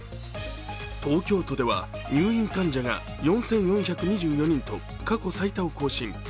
東京都では入院患者が４４２４人と過去最多を更新。